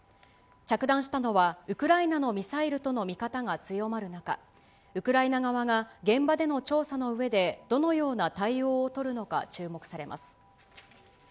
着弾したのは、ウクライナのミサイルとの見方が強まる中、ウクライナ側が現場での調査のうえで、どのような対応を取るのか注目されます。